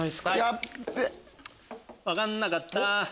ヤッベ。分かんなかった。